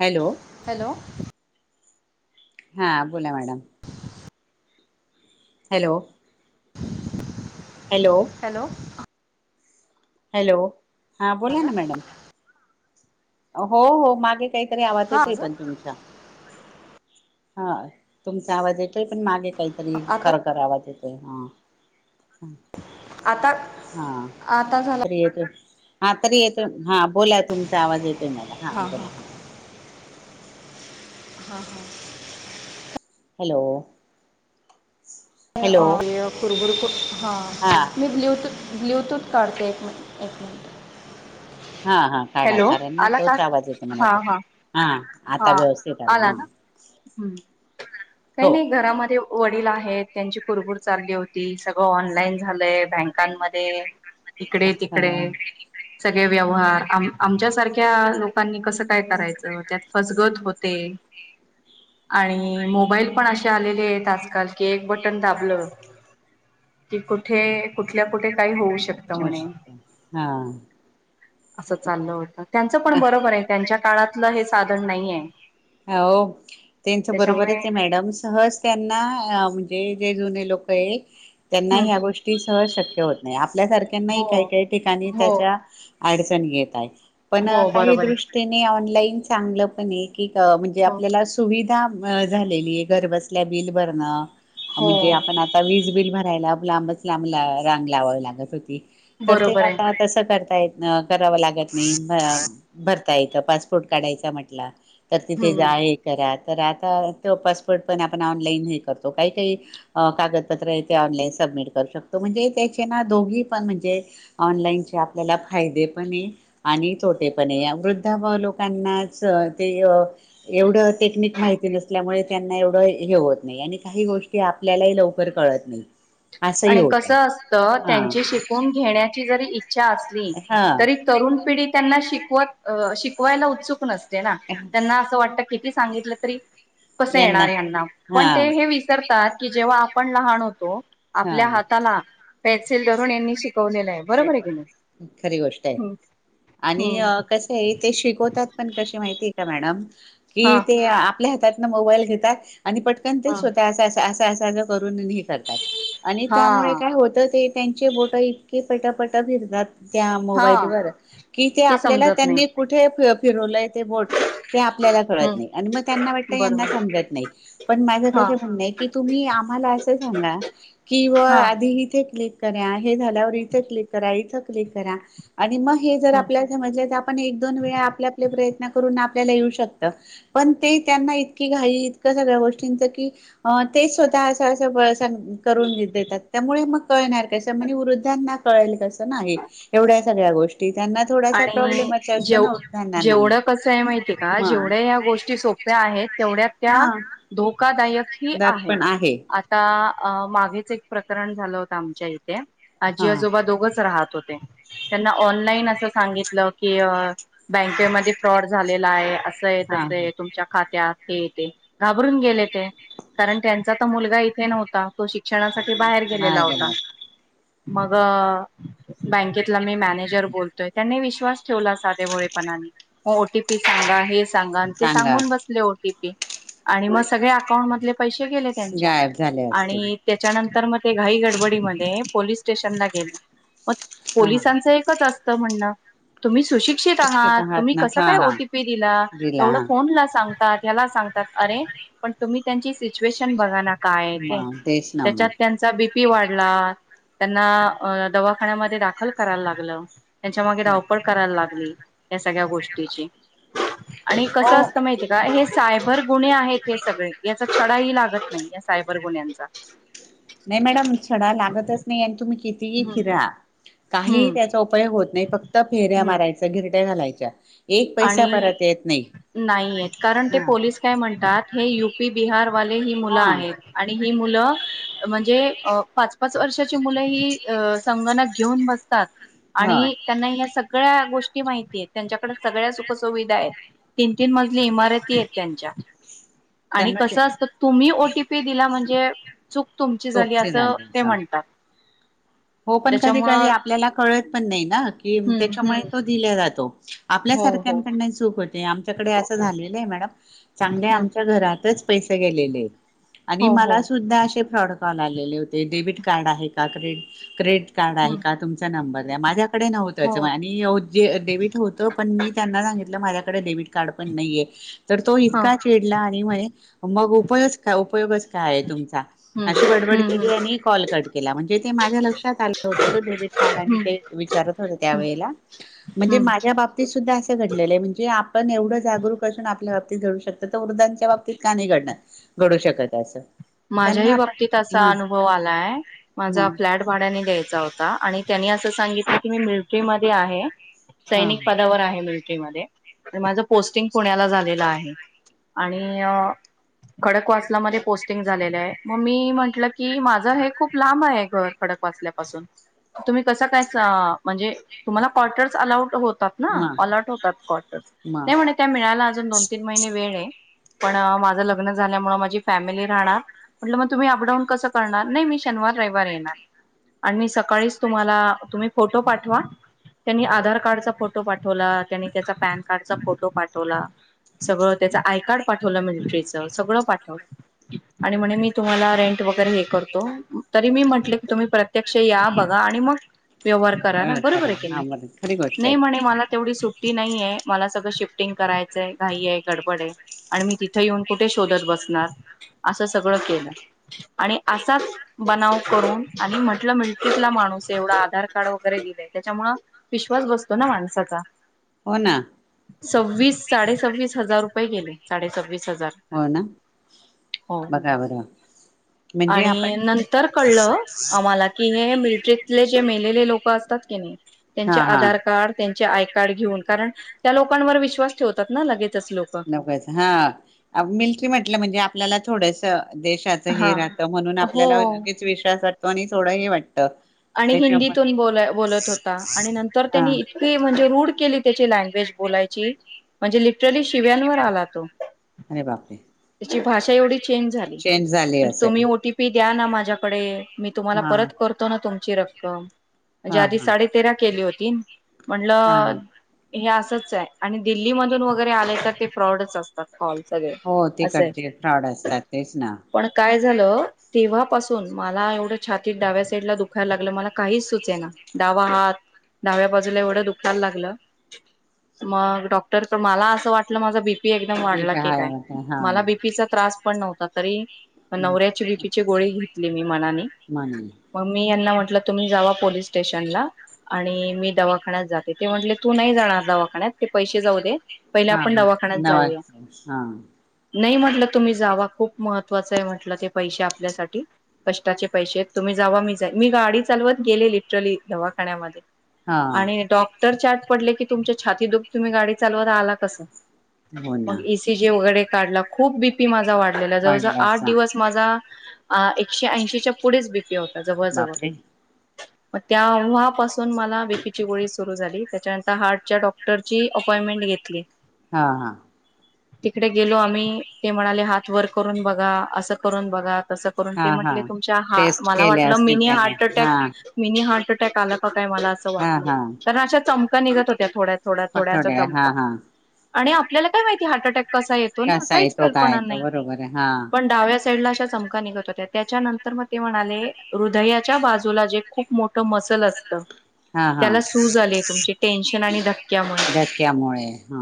Hello! Hello! हा बोला madam. Hello! Hello hello. Hello हा बोला माझा ना मॅडम. हो हो मागे काहीतरी आवाज हां येतोय, माझा पण तुमच्या. हा तुमचा आवाज येतोय, पण मागे काहीतरी आता खरंखर आवाज येतोय हा आता ह आता झाला हातेत. हा तरी येतो, हा बोला तुमचा आवाज येतो मला हा बोला हा. हा. हा. हॅलो! हॅलो कुरबुर हा मी दिली होत. ब्ल्युतूथ काढते, एक मि एक मिनट. हा हा काढा कारण, नाही तोच आवाज येतो मला, हां वाट हां हा आता व्यवस्थित आला हा. हम्म काही हो नाही घरा म... वडील आहेत. त्यांची कुरकूर चालली होती, सगळं ऑनलाईन झालंय, बँकांमध्ये. तिकडे, तिकडे. हा सगळे व्यवहार, आम आमच्यासारख्या लोकांनी कसं काय करायचं? त्यात, फसगत होते. आणि, मो.. मोबाईल पण, असे आलेले आहेत आजकाल की, एक बटन दाबलं! कि, कुठे कुठल्या कुठे काय? होऊ! शकतं अा म्हणे हा! असं चाललं होत त्यांचं, पण बरोबर आहे. त्यांच्या काळातलं हे साधन नाही आहे. हो त्यांच बरोबर आहे ते मॅडम्स सहज त्यांना म्हणजे जे जुने लोक आहे त्यांना हम्म या्या गोष्टी सहज शक्य होत नाही आपल्यासारख्यांनाही हो काही काही ठिकाणी हो त्याच्या अडचण घेत आहे पण हो काही बरोबर आहे दृष्टीने ऑनलाईन चांगलं पण क म्हणजे हो आपल्याला सुविधा झालेली आहे घरबसल्या बिल भरणं हो म्हणजे आपण आता वीज बिल भरायला लांबच लांब रांग लावावी लागत होती तर ते बरोबर आहे आता तसं करता येत अ कराव लागत नाही भरता येतं पासपोर्ट काढायचा म्हटलं तर तिथे हम्म जा आहे करत तर आता तो पासवर्ड पण आपण ऑनलाईन हे करतो काही काही कागदपत्र आहे ते ऑनलाईन स समट करू शकतो म्हणजे त्याचे ना दोघी पण म्हणजे ऑनलाईनचे आपल्याला फायदे पण आहे आणि तोटेपणे या वृद्धा व लोकांनाच ते व टिक माहिती नल्यामुळे त्यांना एव हे होत नाही काही गोष्टी आपल्या काळत नाही असंही आणि होत कस असत हा त्यांची शिकून घेण्याची जरी इचछा असली हा तरी तरुण पिढी त्यांना शिकवत अ शिकवायला उत्सुक नसते त्यांना असं वाटत किती सांगितलं तरी कस यांना येणार यां्यांना हा पण ते हे विसरतात की जेव्हा आपण लहान होतो हा आपल्या हाताला पेन्सिल धरून यांनी शिक खरी गोष्ट आहे आणि हम्म कस आहे ते शिकवतात पण कशी माहितीय का मॅडम कि हा ते आपल्या हातात ना मोबाईल घेतात आणि पटकन तेच होत अस स करून हे करतात आणि त्यामुळे हा काय होतं ते त्यांचे बोट पटपट फिरतात त्या हा मोबाईल व कि ते आपल्याला समजत नाही त्यांनी कुठे आपल्याला हम्म क नाही त्यां बरोबर सम नाहीण हा मा तुम्ही आम्हा अस सांगा क हा आ करा हे झाल्यावर इ चकली करा इ चकली करा आणि मग हे जर हम्म आपल्याला समजलं तर आपण एक दोन वेळा आपल्या आपले प्रयत्न करून आप ये शकत पण ते त्यांना इतकी घाई इतक सगळ्या गोष्टींच की अस बळ करून घ देतात त्यामुळे मग कळणार कस म्ह वृद्धांना कळेल कसं नाही एवढ्या सगळ्या गोष्ट आणि जेव वृद्धांना मग जेवढं कसं आहे माहितीय का जेवढ्या मग या गोष्टी सोप आहेत तेवढ्या त्या हा धोका यक ह त्यात आहे पण आता मागेच एक प्रकरण झालं होतं आमच्या इथे आजी हा आजोबा दोघच राहत होते त्यांना ऑनलाईन अस सांगित की बँकेमध्ये फ्रॉड झाला आहे आहे हा तसं हा आहे तुमच्या खात्यात ते ते घाबरून गेले ते कारण त्यांचा तर मुलगा इथे नव्हता तो शिक क्षणासाठी बाहेर गेलेला होता मग बँकेतला मी मॅनेजर बोलतोय त्यांनी विश्वास ठेवला साधे ोळेपणाने मग ओटीपी सांगा हे सांगा ग पैसे गेले त्यांच्या गायब झाले असतील आणि त्याच्यानंतर मग ते घाई गडबडीमध्ये पोलिस स्टेशनला गेलो, पण हा हा पोलिसांचं एकच असतं म्हणनं, तुम्ही - सुशिक्षित स्वच्छता आहात तुम्ही ना कस हा काय हा ओटीपी दिला एवढ फोनला सग. ला सांगतात अरे पण तुम्ही त्यांची सिच्युएशन बघा ना. काय आहे ते मग तेच ना मग त्याच्यात त्यांचा- पी वाढला. त्यांना दवाखान्यात दाखल करावं लागलं. त्याच्या माग धावपळ करायला लागली या सगळ्या गोष्टीची आणि हो कसं असतं माहिती आहे का हे? सायबर गुन्हे आहेत हे सगळे याचा खडाही लागत नाही या सायबर गुन्ह्यांचा. नाही मॅडम छडा लागतच नाही आणि तुम्ही कितीही हम्म फिरा. काही हम्म त्याचा उपयोग होत नाही फक्त फेऱ्या हम्म मारायचा घीरट्या घालायच्या. एक पैसा आणि परत येत नाही नाहीयेत कारण ते हा पोलीस काय म्हणतात? हे युपी बिहार वाले ही मुलं हा आहेत आणि- ही मुलं म्हणजे - हा आणि त्यांना या सगळ्या गोष्टी माहितीय त्यांच्याकड- सगळ्या सुख सुविधा आहेत तीन तीन मजली इमारती आहेत त्यांच्या. आणि त्यांना ते कसं असत तुम्ही ओटीपी दिला म्हणजे- चूक तुमची झाली सोपचे असं झाले ते सांग म्हणतात. हो पण कधी कधी त्याच्यामुळं आपल्याला कळत पण नाही ना की हम्म त्याच्यामुळे हम्म तो दिला जातो. हो हो आपल्यासारख्यांकडून ही चूक होते. आमच्याकडे असं झालेलं आहे मॅडम चांगले हम्म आमच्या घरातच- पैसे गेलेले आणि हो हो मला सुद्धा असे फ्रॉड- कॉल आलेले होते डेबिट कार्ड आहे का क्रेड क्रेडिट कार्ड आहे हम्म का तुमचा नंबर द्या माझ्या- ते नव्हतं हो पण माझ्याकडे डेबिट कार्ड होतं पण मी त्यांना - माझ्याकडे डेबिट कार्ड पण नाहीये तर तो हा इतकाच वेडला आणि म्ह- मग उपयो काय उपयोगच काय आहे तुमचा हम्म अशी गडबड हम्म हम्म केली आणि कॉल कट केला म्हणजे- ते माझ्या लक्षात आलं होतं तो डेबिट कार्ड आणि आणि हम्म ते विचारात होता मला त्या वेळेला- हम्म सुद्धा आपण असं घडलेलं मग आपण जागरूक असून आपल्याला- [inaudible] माझ्याही बाबतीत असा अनुभव आलाय. म त्यांनी असं सांगितलं की मी मिलटरीमध्येध्ये आहे. हा सैनिक पदावर आहे मिलटरीमध्येध्ये- माझं पोस्टिंग पुण्याला झालेलं आहे. आणि खडक वासला मध्ये पोस्- झालेला आहे मग मी म्हटलं की माझा घर लांब आहे खडकवासल्यापासून. तुम्ही कसं काय म्हणजे तुम्हाला क्वार्टर्स अलाउड होत- म अलर्ट होतात कर म नाही म्हणे त्या मिळायला अजून दोन तीन महिने वेळ आहे. पण माझं लग्न झाल्या मूळ माझी फॅमिली- राहणार मग मी शनिवार रविवार मध्ये अपडाऊन करणार. आणि मी सकाळीच तुम्हाला तुम्ही फोटो पाठवा. त्यांनी आधार कार्डचा फोटो पाठवला त्यांनी त्याचा पॅन कार्डचा फोटो पाठवला. सगळं त्याचं आय कार्ड पाठवलं मिलिट्रीचं सगळं पाठव. आणि म्हणे मी तुम्हाला रेंट वगैरे हे करतो तरी मी म्हटले की तुम्ही प्रत्यक्ष या बघा. आणि मग व्यवहार करा न बरोबर हा बर खरी गोष्ट नाही आहे म्हणे मला तेवढी सु- ी नाहीे मला सगळं शिफ्टिंग करायचंय घाई आहे गडबड आहे आणि मी तिथे येऊन कुठे शोधत बसतो? णार. असं सगळं केलं आणि असाच बनाव करून आणि म्हटलं मिलकीतला माणूस - एवढा आधार कार्ड वगैरे दिलंय त्याच्यामुळ विश्वास बसतो ना माणसाचा. हो ना. सव्वीस साडेसव्वीस हजार रुपये गेले साडेसव्वीस हजार. हो ना हो बघा बरं म्हणजे आपण आणि नंतर कळलं. आम्हाला की हे मिलट्रीतले जे मेलेले लोक असतात की नाही. त्यांचे हा हा आधार कार्ड त्यांचे आय कार्ड घेऊन कारण त्या लोकांवर विश्वास ठेवतात ना लगेच. लकच हा मिल्ट्री म्हटलं म्हणजे आपल्याला थोडस देशाच हे हा राहतं म्हणून हो आपल्याला लेच विश्वास वाटतो आणि थोडंही वाटत आणि हिंदीतून ब बोलत होता आणि नंतर हा त्यांनी इतकी म्हणजे रूढ केली त्याची लँग्वेज बोलायची म्हणजे लिटरली शिव्यांवर आला तो अरे बापरे तची भाषा एवढी चेंज झाली चेंज झाले म्हणजे तुम्ही असेल ओटी पी द्या ना माझ्याकड मी तुम्हाला हा परत करतो ना तुमची रक्कम म्हणजे हा आधी हा साडे तेरा केली होती हा म्हंटलं हे अस फ्रॉडच आणि दिल्लीमधून वगैरे आले तर ते फ्रॉडच असतात हॉल सगळे हो असय तिकडचे फ्रॉड असतात तेच ना पण काय झालं तेव्हापासून मला एवढं छातीत डाव्या साईडला दुखतं दुखायला लागलं मला काहीच सुचेना डावा हात डाव्या बाजूला एवढं दुखायला लागलं मग डॉक्टर मला असं वाटलं माझं बिपी पी एकदम मी वाढला की हाय काय हा मला बीपीचा त्रास पण नव्हता तरी नवऱ्याचे बीपीचे गोळी घेतले मी मनाने म्हणून मग याना म्हटलं तुम्ही जावा पोलीस स्टेशनला आणि मी दवाखान्यात जाते ते म्हटले तू नाही जाणार दवाखान्यात ते पैसे जाऊ दे पहिले हा आपण हा दवाखान्यात नवा जाऊया हा नाही म्हटलं तुम्ही जावा खूप महत्त्वाचं आहे म्हटलं ते पैसे आपल्यासाठी कष्टाचे पैसे आहेत तुम्ही जावा मी मी गाडी चालवत गेलेली लिटरली दवाखान्यामध्ये हा आणि डॉक्टर त्या आत पडले तुमच्या छाती दुखतय तुम्ही गाडी चालवत आला कस हो ना मग एसी जे वगैरे काढला खूप बीपी माझा वाढलेला जवळजवळ आठ वाढलासा दिवस माझा अ एकशे ऐंशीच्या पुढेच बीपी होता जवळ जवळ बापरे मग तेव्हा पासून मला बिपीची गोळी सुरू झाली त्याच्यानंतर हार्टच्या डॉक्टरची आप महिने घेतले हा हा तिकडे गेलो आम्ही ते म्हणाले हात वर करून बघा असं करून बघा तस करून ते हा म्हटले हा तुमच्या टेस्ट मला केल्या वाटलं असतील मिनी त्याने हार्ट अटॅक हा मिनी हार्ट अटॅक आलं का का मला अस हा वाटल हा तर अशा चमक्या निघत होत्या थोड्या थोड्या थोड्या असं पठोडे चम हा हा आणि आपल्याला काय माहिती हार्ट अटॅक कसा येतो ना कसा आहे काहीच तो काय कल्पना तो नाही बरोबर आहे हा पण डाव्या साईडला अशा चमका निघत होत्या त्याच्यानंतर मग ते म्हणाले हृदयाच्या बाजूला जे खूप मोठ मसल असत हा हा त्याला सूझ आले तुमची टेन्शन आणि धक् धक्यामुळे हा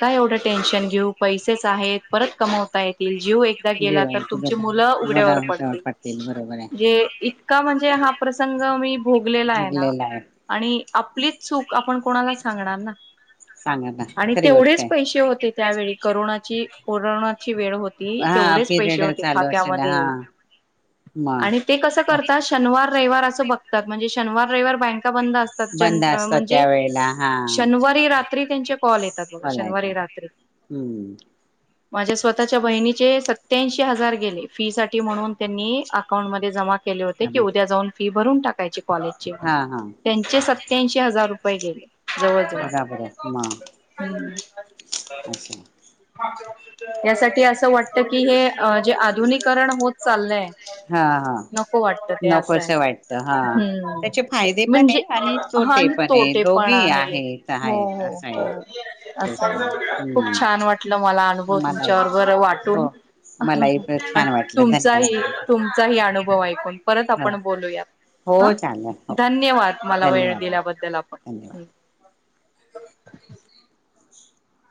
काय एवढं टेन्शन घेऊ पैसेच आहेत परत कमवता येतील जीव एकदा गेला तर जेवायचं तुमची ग मुलं उघड्यावर मला जवळ पडतील बरोबर आहे जे इतका म्हणजे हा प्रसंग मी भोगलेला आहे ना भोगलेला आहे आणि आपलीच चूक आपण कोणाला सांगणार ना सांगायला आणि खरी गोष्ट तेवढेच आहे पैसे होते त्यावेळी कोरोनाची कोरोनाची वेळ होती हा तेवढेच पैसे पिरियड होते चालू असेल खात्यामध्ये हा आणि ते कसं मग करतात शनवार रविवार असं बघतात म्हणजे शनवार रविवार बँक बंद असतात बंद असतात म्हणजे त्यावेेळेला हा शनिवारी रात्री त्यांचे कॉल येतात बघा शनिवारी बोलायचं रात्री हम्म माझ्या स्वतःच्या बहिणीचे सत्याऐंशी हजार गेले फी साठी म्हणून त्यांनी अकाउंट मध्ये जमा केले होते की समज उद्या जाऊन फी भरून टाकायची कॉलेजची हा हा त्यांचे स सत्याऐंशी हजार रुपये गेले जवळ जवळ बघा बरं मग हम् [inaudible] यासाठी असं वाटत की हे जे आधुनिककरण होत चाललंय हा हा नको वाटत ते नकोस असंय वाटतं हा. हम् त्याचे फायदे पण आहे म्हणजे आणि तोटे भांड पण आहे तोटे पणा दोघी आहेत हो आहेत असं हो आहे. हो तेच ना असं खूप छान हम्म वाट मला अनुभव मलाही तुमच्याबरोबर वाटून हो. मलाही आणि छान वाटलं तुमचाही धन्यवाद तुम तुमचाही अनुभव ऐकून परत हो आपण बोलूया हा हो चालेल हो धन्यवाद मला वेळ धन्यवाद दिल्याबद्दल धन्यवाद. आपण